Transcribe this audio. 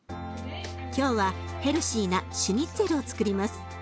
今日はヘルシーなシュニッツェルをつくります。